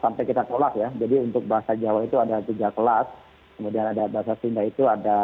sampai kita tolak ya jadi untuk bahasa jawa itu ada tiga kelas kemudian ada bahasa sunda itu ada